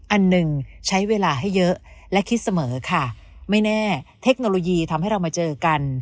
อันหนึ่งใช้เวลาให้เยอะและคิดเสมอค่ะไม่แน่เทคโนโลยีทำให้เรามาเจอกัน